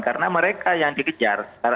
karena mereka yang dikejar